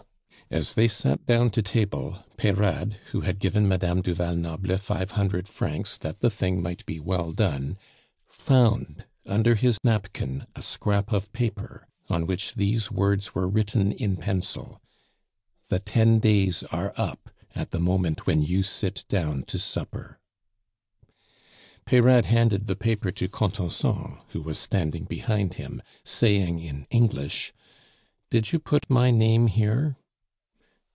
As they sat down to table, Peyrade, who had given Madame du Val Noble five hundred francs that the thing might be well done, found under his napkin a scrap of paper on which these words were written in pencil, "The ten days are up at the moment when you sit down to supper." Peyrade handed the paper to Contenson, who was standing behind him, saying in English: "Did you put my name here?"